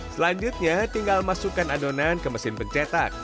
selanjutnya tinggal masukkan adonan ke mesin pencetak